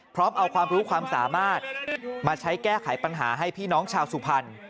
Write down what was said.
พร้อมเอาความรู้ความสามารถมาใช้แก้ไขปัญหาให้พี่น้องชาวสุพรรณ